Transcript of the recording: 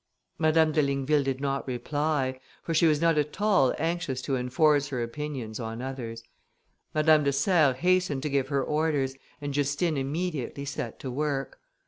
Madame de Ligneville did not reply, for she was not at all anxious to enforce her opinions on others. Madame de Serres hastened to give her orders, and Justine immediately set to work.